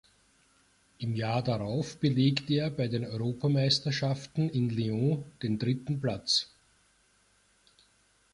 Im Jahr darauf belegte er bei den Europameisterschaften in Lyon den dritten Platz.